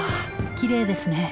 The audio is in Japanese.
きれいですね。